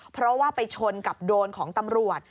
เพราะว่าไปชนกับโดรนของตำรวจ